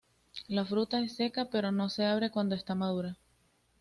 La fruta es seca pero no se abre cuando está madura.